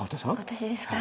私ですか。